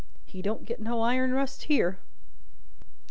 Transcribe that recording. He don't get no iron rust here!"